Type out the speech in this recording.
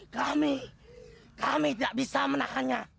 kami kami tidak bisa menahannya